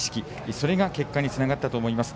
それが結果につながったと思います。